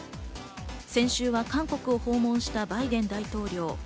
先週は韓国を訪問したバイデン大統領。